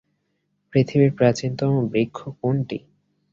পৃথিবীর প্রাচীনতম বৃক্ষ কোনটি?